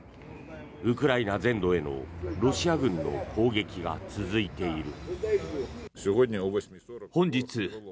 ウクライナ全土へのロシア軍の砲撃が続いている。